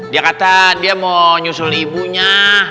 dia kata dia mau nyusul ibunya